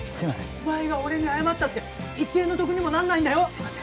お前が俺に謝っても一円の得にもなんないよすいません